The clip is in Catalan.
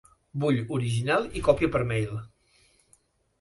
Vull original i còpia per mail.